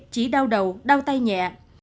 chỉ đau đầu đau tay nhẹ